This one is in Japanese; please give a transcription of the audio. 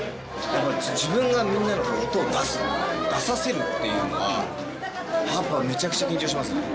自分がみんなの音を出す出させるっていうのはやっぱめちゃくちゃ緊張しますね。